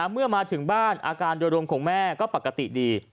เมื่อมาถึงบ้านอาการโดยรวมของแม่ก็ปกติดี